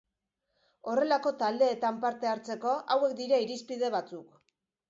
Horrelako taldeetan parte hartzeko hauek dira irizpide batzuk.